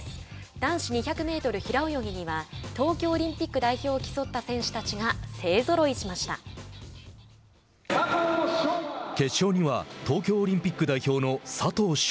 男子２００メートル平泳ぎには東京オリンピック代表を競った選手たちが決勝には東京オリンピック代表の佐藤翔